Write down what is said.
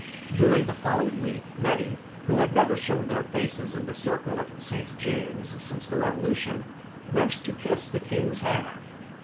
During the following week, many, who had never shown their faces in the circle at Saint James's since the Revolution, went to kiss the King's hand.